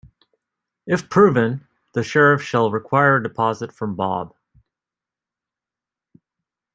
If proven, the Sheriff shall require a deposit from Bob.